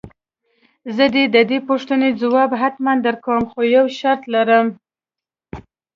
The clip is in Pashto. زه دې د دې پوښتنې ځواب حتماً درکوم خو يو شرط لرم.